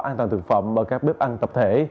an toàn thực phẩm bằng các bếp ăn tập thể